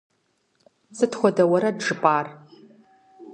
Сыт хуэдэ уэрэд жыпӀар?